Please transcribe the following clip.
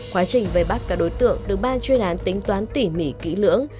quá trình về bắt cả đối tượng được ban chuyên án tính toán tỉ mỉ kỹ lưỡng